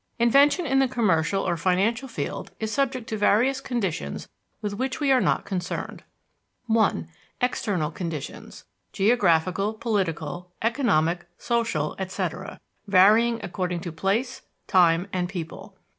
Invention in the commercial or financial field is subject to various conditions with which we are not concerned: (1) External conditions: Geographical, political, economic, social, etc., varying according to time, place, and people.